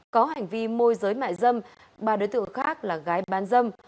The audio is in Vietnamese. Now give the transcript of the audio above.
có hành vi môi giới mại dâm ba đối tượng khác là gái bán dâm